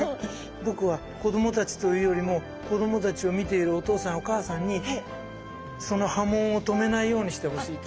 僕は子どもたちというよりも子どもたちを見ているお父さんやお母さんにその波紋を止めないようにしてほしいと思う。